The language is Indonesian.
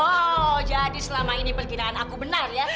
oh jadi selama ini perkiraan aku benar ya